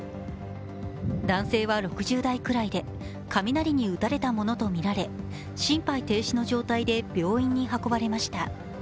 男性は６０代くらいで、雷に打たれたものとみられ心肺停止の状態で病院に運ばれました。